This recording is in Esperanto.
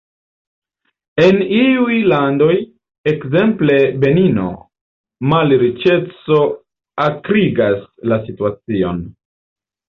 En iuj landoj – ekzemple Benino – malriĉeco akrigas la situacion.